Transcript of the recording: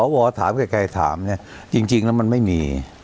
วธิ์ถามใครถามเนี่ยจริงจริงมันไม่มี